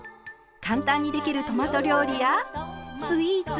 簡単にできるトマト料理やスイーツ。